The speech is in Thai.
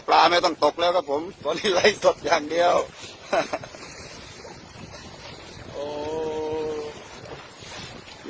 ไม่ต้องตกแล้วครับผมตอนนี้ไลฟ์สดอย่างเดียวอ่า